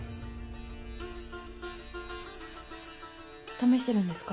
試してるんですか？